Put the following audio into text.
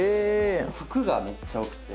服がめっちゃ多くて。